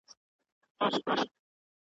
ژر به محتسبه د رندانو آزار ووینې .